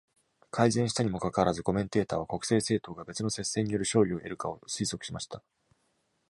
改善したにもかかわらず、コメンテーターは国政政党が別の接戦による勝利を得るかを推測しました。